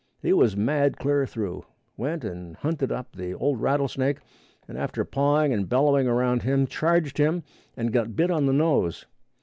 He was mad clear through; went and hunted up the old rattlesnake, and after pawing and bellowing around him, charged him and got bit on the nose.